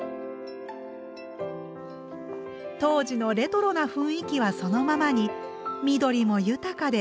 当時のレトロな雰囲気はそのままに緑も豊かで気持ちいいですね。